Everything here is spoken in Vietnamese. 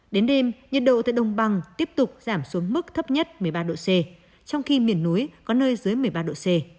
đến đêm nhiệt độ tại đồng bằng tiếp tục giảm xuống mức thấp nhất một mươi ba độ c trong khi miền núi có nơi dưới một mươi ba độ c